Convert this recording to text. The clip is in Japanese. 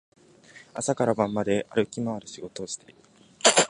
朝から晩まで歩き回る仕事をしている